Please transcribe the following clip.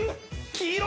黄色。